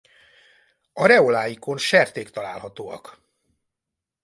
Areoláikon serték találhatóak.